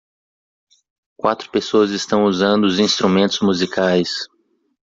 Quatro pessoas estão usando os instrumentos musicais.